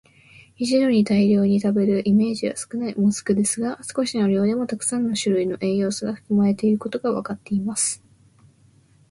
一度に大量に食べるイメージは少ない「もずく」ですが、少しの量でもたくさんの種類の栄養素が含まれていることがわかっています。